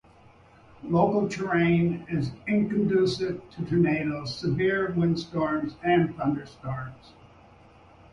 The local terrain is inconducive to tornadoes, severe windstorms, and thunderstorms.